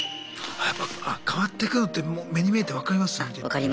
あやっぱ変わってくのって目に見えて分かります？